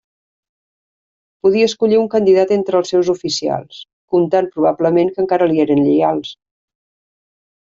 Podia escollir un candidat entre els seus oficials, comptant probablement que encara li eren lleials.